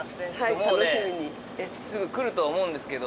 もうねすぐ来るとは思うんですけど。